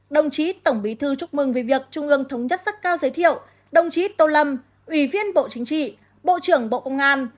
đồng chí tổng bí thư chúc mừng về việc trung ương thống nhất sắc cao giới thiệu đồng chí tô lâm ủy viên bộ chính trị bộ trưởng bộ công an